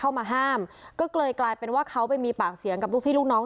เข้ามาห้ามก็เลยกลายเป็นว่าเขาไปมีปากเสียงกับลูกพี่ลูกน้อง